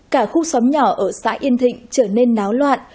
cả khu xóm nhỏ ở xã yên thịnh trở nên náo loạn